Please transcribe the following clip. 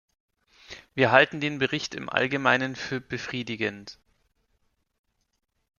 Wir halten den Bericht im allgemeinen für befriedigend.